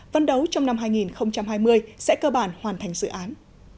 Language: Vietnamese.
vấn đấu trong năm hai nghìn hai mươi sẽ cơ bản hoàn thành dự án